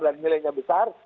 dan nilainya besar